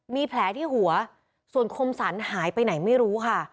มีแผลที่หัวส่วนคมสรรหายไปไหนไม่รู้ค่ะ